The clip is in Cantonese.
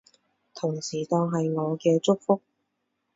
同時當係我嘅祝福